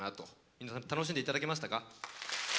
皆さん楽しんでいただけましたか。